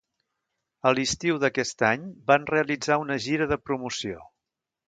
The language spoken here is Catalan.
A l'estiu d'aquest any van realitzar una gira de promoció.